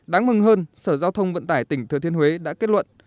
đáng mừng hơn sở giao thông vận tải tỉnh thừa thiên huế đã kết luận